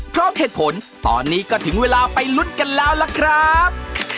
เพราะเหตุผลตอนนี้ก็ถึงเวลาไปลุ้นกันแล้วล่ะครับ